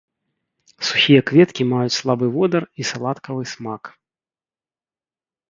Сухія кветкі маюць слабы водар і саладкавы смак.